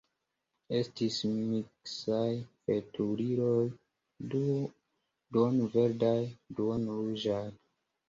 Estis miksaj veturiloj duon-verdaj, duon-ruĝaj.